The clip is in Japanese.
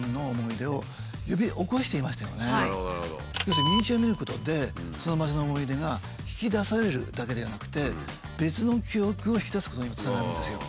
要するにミニチュアを見ることでその場所の思い出が引き出されるだけではなくて別の記憶を引き出すことにもつながるんですよ。